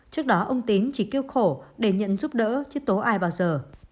trước đó ông tín chỉ kêu khổ để nhận giúp đỡ chứ tố ai bao giờ